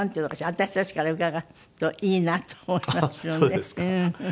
私たちから伺うといいなと思いますよね。